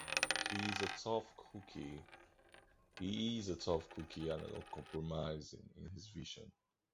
He's a tough cookie and uncompromising in his vision.